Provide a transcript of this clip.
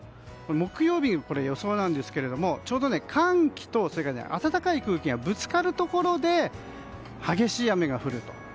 木曜日、予想なんですがちょうど寒気と暖かい空気がぶつかるところで激しい雨が降ると。